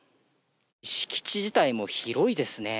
敷地自体も広いですね。